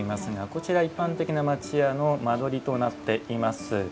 こちら一般的な町家の間取りとなっています。